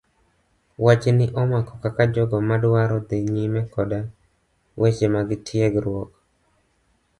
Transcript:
Wach ni omako kaka jogo madwaro dhi nyime koda weche mag tiegruok.